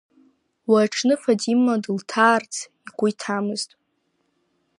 Уи аҽны Фатима дылҭаарц игәы иҭамызт.